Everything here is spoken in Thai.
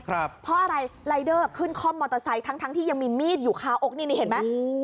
เพราะอะไรรายเดอร์ขึ้นคล่อมมอเตอร์ไซค์ทั้งทั้งที่ยังมีมีดอยู่คาอกนี่นี่เห็นไหม